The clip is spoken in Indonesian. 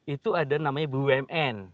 itu ada namanya bumn